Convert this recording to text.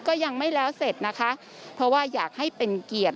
ก็ยังไม่แล้วเสร็จนะคะเพราะว่าอยากให้เป็นเกียรติ